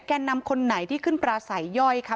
แกนนำคนไหนที่ขึ้นปลาใส่ย่อยครับ